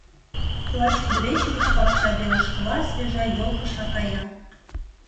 Лач кудывече гыч пакча велышкыла свежа йол кыша кая.